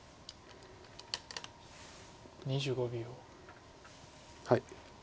２５秒。